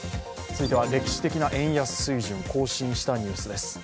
続いては歴史的な円安水準更新したニュースです。